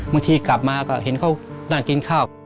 บางทีกลับมาก็เห็นเขานั่งกินข้าว